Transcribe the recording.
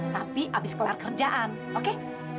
tapi habis kelar kerjaan oke